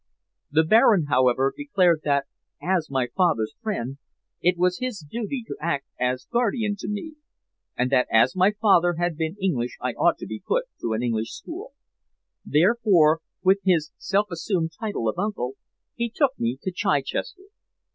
The Baron, however, declared that, as my father's friend, it was his duty to act as guardian to me, and that as my father had been English I ought to be put to an English school. Therefore, with his self assumed title of uncle, he took me to Chichester.